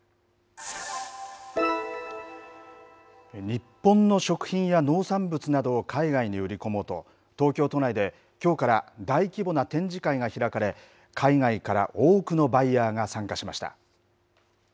日本の食品や農産物などを海外に売り込もうと、東京都内で、きょうから大規模な展示会が開かれ、海外から多くのバイヤーが参加しました。